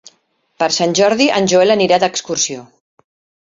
Per Sant Jordi en Joel anirà d'excursió.